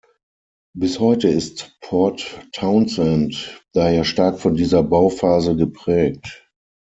Bis heute ist Port Townsend daher stark von dieser Bauphase geprägt.